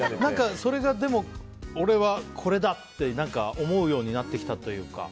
それが俺はこれだって思うようになってきたというか？